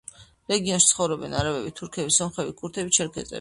რეგიონში ცხოვრობენ არაბები, თურქები, სომხები, ქურთები, ჩერქეზები.